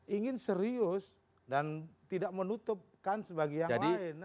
ingin serius dan tidak menutupkan sebagai yang lain